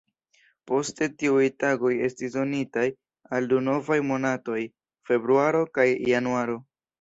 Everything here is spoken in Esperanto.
Poste tiuj tagoj estis donitaj al du novaj monatoj, februaro kaj januaro.